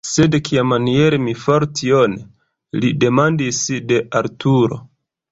"Sed kiamaniere mi faru tion?!" Li demandis de Arturo!